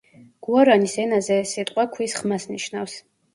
გუარანის ენაზე ეს სიტყვა „ქვის ხმას“ ნიშნავს.